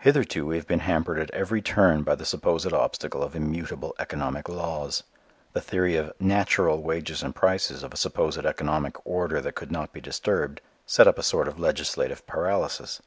Hitherto we have been hampered at every turn by the supposed obstacle of immutable economic laws. The theory of "natural" wages and prices of a supposed economic order that could not be disturbed, set up a sort of legislative paralysis.